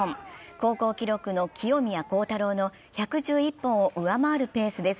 高校記録の清宮幸太郎の１１１本を上回るペースです。